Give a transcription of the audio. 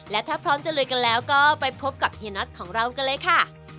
และถ้าพร้อมจะลุยกันแล้วก็ไปพบกับเฮียน็อตของเรากันเลยค่ะ